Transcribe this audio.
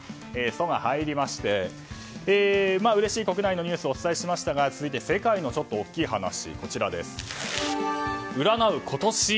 「ソ」が入りましてうれしい国内のニュースをお伝えしましたが続いて世界の大きい話。